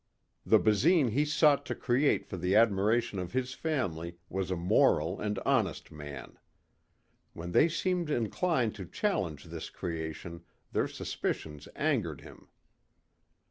The Basine he sought to create for the admiration of his family was a moral and honest man. When they seemed inclined to challenge this creation, their suspicions angered him.